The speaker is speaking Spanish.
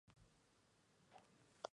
Satoru Makino